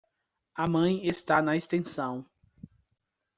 A mãe está na extensão.